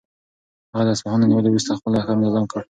هغه د اصفهان له نیولو وروسته خپل لښکر منظم کړ.